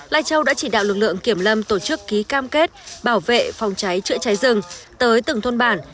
lai châu đã chỉ đạo lực lượng kiểm lâm tổ chức ký cam kết bảo vệ phòng cháy chữa cháy rừng tới từng thôn bản